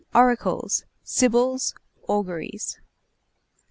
ORACLES. SIBYLS. AUGURIES.